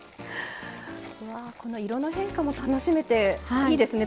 色の変化も楽しめていいですね